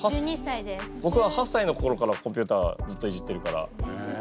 ぼくは８歳の頃からコンピューターずっといじってるから。